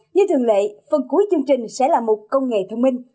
như thường lệ phần cuối chương trình sẽ là một công nghệ thông minh